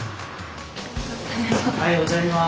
おはようございます。